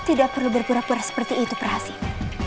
tidak perlu berpura pura seperti itu perhasil